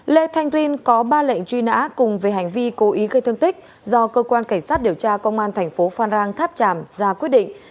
lê thanh rin có ba lệnh truy nã cùng về hành vi cố ý gây thương tích do cơ quan cảnh sát điều tra công an thành phố phan rang tháp tràm ra quyết định